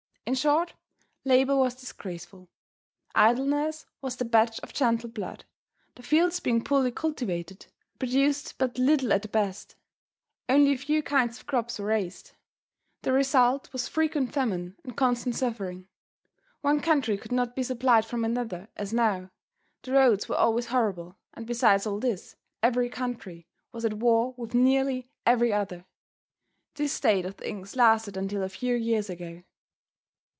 In short, labor was disgraceful. Idleness was the badge of gentle blood. The fields being poorly cultivated produced but little at the best. Only a few kinds of crops were raised. The result was frequent famine and constant suffering. One country could not be supplied from another as now; the roads were always horrible, and besides all this, every country was at war with nearly every other. This state of things lasted until a few years ago.